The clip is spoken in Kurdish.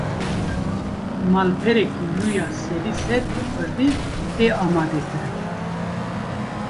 Malpereke nû ya sedî sed bi Kurdî, tê amadekirin